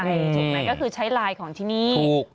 ถูกไหมก็คือใช้ไลน์ของที่นี่